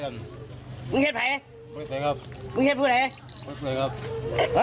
แล้วมันกำลังกลับไปแล้วมันกำลังกลับไปแล้วมันกำลังกลับไป